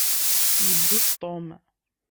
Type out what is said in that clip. Yewwi-t Tom.